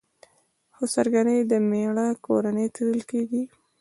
خسرګنۍ د مېړه کورنۍ ته ويل کيږي.